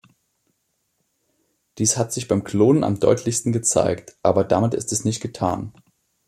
Dies hat sich beim Klonen am deutlichsten gezeigt, aber damit ist es nicht getan.